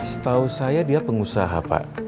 setahu saya dia pengusaha pak